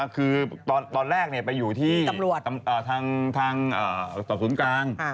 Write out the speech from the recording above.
คือตอนแรกไปอยู่ที่ทางสอบศูนย์กลาง